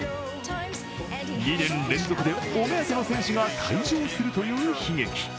２年連続でお目当ての選手が退場するという悲劇。